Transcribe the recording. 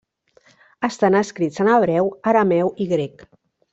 Estan escrits en hebreu, arameu i grec.